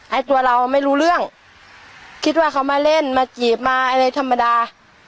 ไอ้ตัวเราไม่รู้เรื่องคิดว่าเขามาเล่นมาจีบมาอะไรธรรมดา